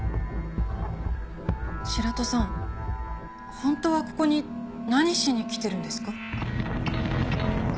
本当はここに何しに来てるんですか？